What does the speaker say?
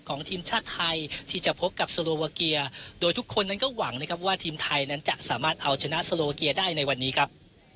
ของทีมชาติไทยที่จะพบกับโซโลวาเกียร์โดยทุกคนนั้นก็หวังนะครับว่าทีมไทยนั้นจะสามารถเอาชนะโซโลเกียได้ในวันนี้ครับ